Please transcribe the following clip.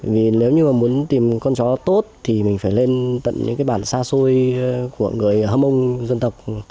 vì nếu như muốn tìm con chó tốt thì mình phải lên tận những bản xa xôi của người hâm âu dân tộc